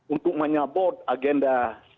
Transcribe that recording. untuk menyabot agenda